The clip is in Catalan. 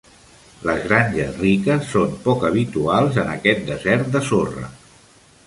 Les granges riques són poc habituals en aquest desert de sorra.